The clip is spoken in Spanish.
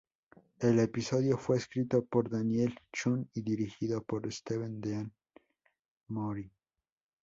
El episodio fue escrito por Daniel Chun y dirigido por Steve Dean Moore.